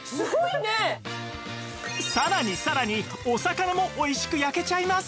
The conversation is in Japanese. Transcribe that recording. さらにさらにお魚もおいしく焼けちゃいます